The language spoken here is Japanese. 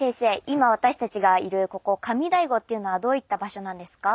今私たちがいるここ上醍醐っていうのはどういった場所なんですか？